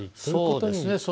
そうですね。